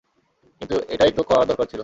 কিন্তু, এটাই তো করার দরকার ছিল!